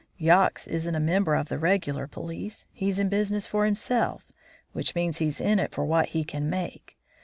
Yox isn't a member of the regular police; he's in business for himself, which means he's in it for what he can make.